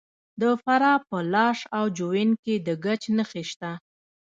د فراه په لاش او جوین کې د ګچ نښې شته.